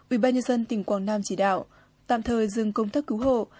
ubnd tỉnh quảng nam chỉ đạo tạm thời dừng công tác cứu hộ